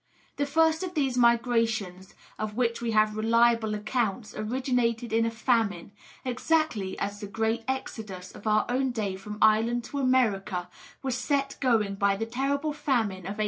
The first of these migrations of which we have reliable accounts originated in a famine, exactly as the great exodus of our own day from Ireland to America was set going by the terrible famine of 1847.